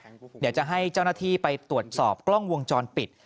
เดี๋ยวจะให้เจ้าหน้าที่ไปตรวจสอบกล้องวงจรปิด